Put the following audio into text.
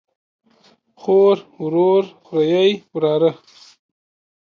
خور، ورور، خوریئ ،وراره